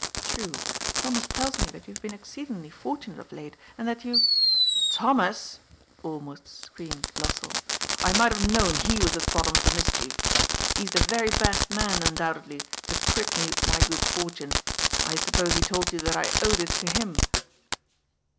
True, Thomas tells me that you have been ex ceedingly fortunate of late, and that you "" Thomas !" almost screamed Lossell. " I might have known he was at the bottom of the mischief. He is the very best man, undoubtedly, to twit me with my good fort une. I suppose he told you that I owed it to him."